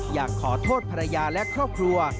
อยากขอโทษภรรยาและครอบครัว